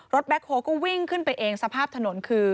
แบ็คโฮก็วิ่งขึ้นไปเองสภาพถนนคือ